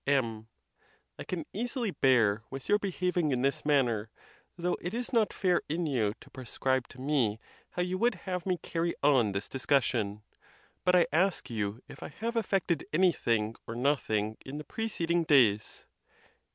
MI can easily bear with your behaving in this manner, though it is not fair in you to prescribe to me how you would have me carry on this discussion. But I ask you if I have effected anything or nothing in the pre ceding days?